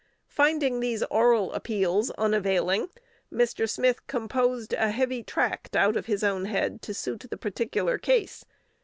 Finding these oral appeals unavailing, Mr. Smith composed a heavy tract out of his own head to suit the particular case.